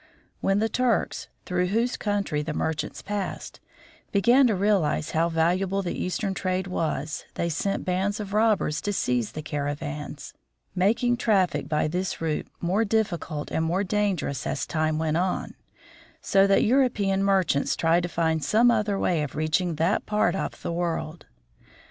When the Turks, through whose country the merchants passed, began to realize how valuable the Eastern trade was, they sent bands of robbers to seize the caravans, making traffic by this route more difficult and more dan gerous as time went on ; so that European merchants tried to find some other way of reach ing that part of the world.